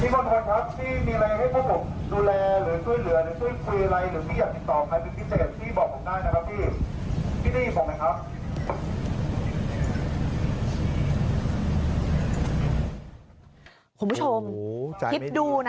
คุณผู้ชมคิดดูนะ